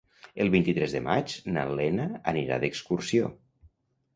El vint-i-tres de maig na Lena anirà d'excursió.